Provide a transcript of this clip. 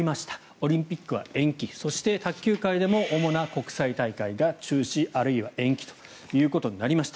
オリンピックは延期そして卓球界でも主な国際大会が中止または延期になりました。